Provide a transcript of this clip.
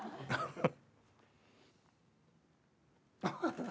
ハハハ